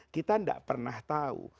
kita enggak pernah tahu